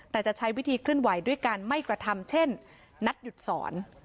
แต่จะใช้วิธีเคลื่อนไหวด้วยการไม่กระทำเช่นนัดหยุดสอน